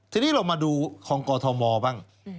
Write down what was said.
ทีนี้เรามาดูของกอทมบ้าง